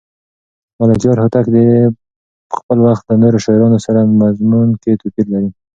ملکیار هوتک د خپل وخت له نورو شاعرانو سره په مضمون کې توپیر لري.